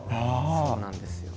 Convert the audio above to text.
そうなんですよ。